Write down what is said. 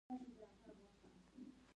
ضایع کول بد دی.